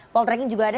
poltreking juga ada